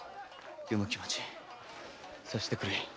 余の気持ち察してくれ。